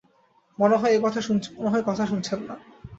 মনে হয় কথা শুনছেন না।